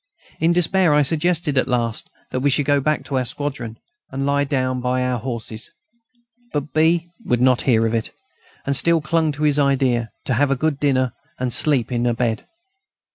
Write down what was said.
In despair, I suggested at last that we should go back to our squadron, and lie down by our horses; but B. would not hear of it, and still clung to his idea: to have a good dinner, and sleep in a bed.